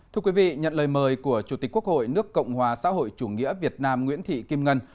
thưa quý vị nhận lời mời của chủ tịch quốc hội nước cộng hòa xã hội chủ nghĩa việt nam nguyễn thị kim ngân